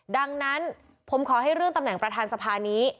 ดังนั้นผมขอให้เรื่องตำแหน่งประธานสภานี้